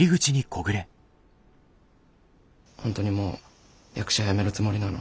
本当にもう役者辞めるつもりなの？